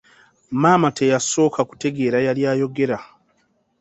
Maama teyasooka kutegeera yali ayogera.